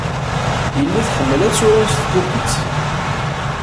Yelli tḥemmel ad turar s tpupit.